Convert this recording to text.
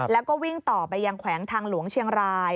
แล้วก็วิ่งต่อไปยังแขวงทางหลวงเชียงราย